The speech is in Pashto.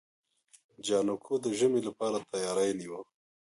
جانکو د ژمي لپاره تياری نيوه.